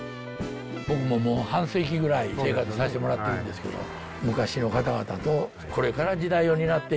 僕ももう半世紀ぐらい生活させてもらってるんですけど昔の方々とこれから時代を担っていくね